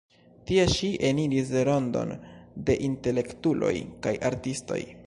Tie ŝi eniris rondon de intelektuloj kaj artistoj.